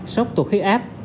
sốc tụt huyết áp